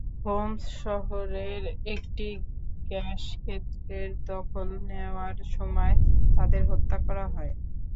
Holmes শহরের একটি গ্যাসক্ষেত্রের দখল নেওয়ার সময় তাঁদের হত্যা করা হয়।